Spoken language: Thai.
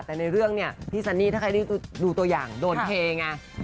แต่ในเรื่องเนี่ยพี่ซันนี่ถ้าใครได้ดูตัวอย่างโดนเทไง